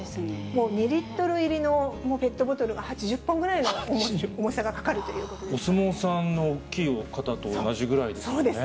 もう２リットル入りのペットボトルが８０本ぐらいの重さがかかるお相撲さんの大きい方と同じそうです。